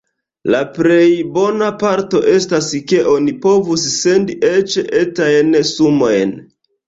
La plej bona parto estas ke oni povus sendi eĉ etajn sumojn.